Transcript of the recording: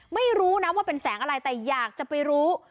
ไม่รู้นะว่าเป็นแสงอะไรแต่อยากจะไปรู้